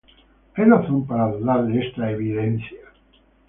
Hay razón para dudar de esta evidencia?